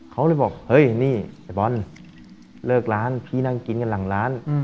เขาเลยบอกเฮ้ยนี่ไอ้บอลเลิกร้านพี่นั่งกินกันหลังร้าน